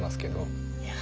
いや。